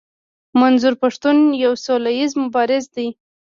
منظور پښتين يو سوله ايز مبارز دی.